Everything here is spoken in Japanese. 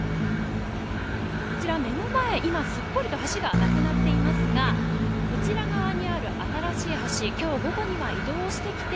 こちら目の前、今すっぽりと橋がなくなっていますがこちら側にある新しい橋今日午後には移動してきまして